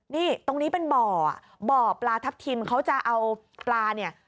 นี่ตรงนี้เป็นบ่ออ่ะบ่อปลาทับทิมเขาจะเอาปลาเนี่ย